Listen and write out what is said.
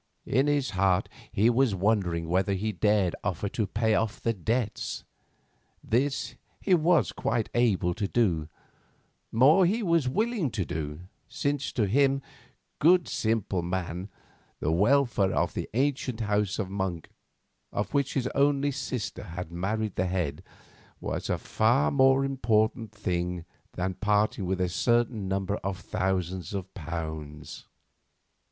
In his heart he was wondering whether he dared offer to pay off the debts. This he was quite able to do; more, he was willing to do, since to him, good simple man, the welfare of the ancient house of Monk, of which his only sister had married the head, was a far more important thing than parting with a certain number of thousands of pounds.